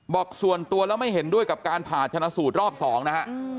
บอกส่วนตัวแล้วไม่เห็นด้วยกับการผ่าชนะสูตรรอบ๒นะฮะ